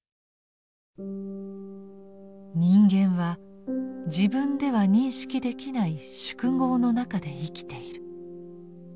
人間は自分では認識できない「宿業」の中で生きている。